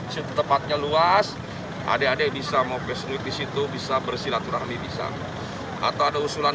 situ tempatnya luas adek adek bisa mau kesempatan disitu bisa bersilaturahmi bisa atau ada usulan